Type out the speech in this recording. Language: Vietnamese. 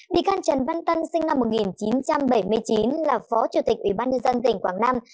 bị can trần văn tân sinh năm một nghìn chín trăm bảy mươi chín